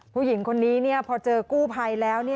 ผู้หญิงคนนี้พอเจอกู้ภัยแล้ว